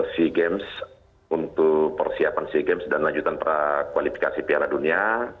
sea games untuk persiapan sea games dan lanjutan prakualifikasi piala dunia